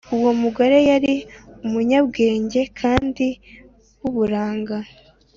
Uwo mugore yari umunyabwenge kandi w’uburanga